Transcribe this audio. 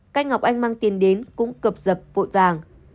cách ngọc anh mang tiền đến cũng cập dập vội vàng